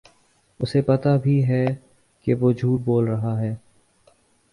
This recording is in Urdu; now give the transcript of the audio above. اُسے پتہ بھی ہے کہ وہ جھوٹ بول رہا ہے